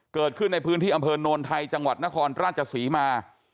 เกิดขึ้นในพื้นที่อำเภอโนนไทยจังหวัดนครราชศรีมา